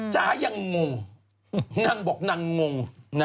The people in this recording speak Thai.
จ๋ายังงงนั่งบอกนั่งงง